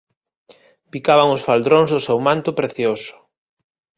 Bicaban os faldróns do seu manto precioso.